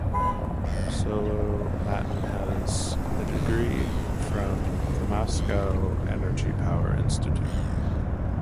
Solomatin has a degree from the Moscow Energy Power Institute.